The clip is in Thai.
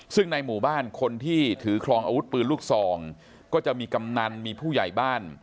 ซึ่งในหมู่บ้านคนที่ถือครองอาวุธปืนลูกซองก็จะมีกำนันมีผู้ใหญ่บ้าน